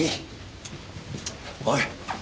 おい。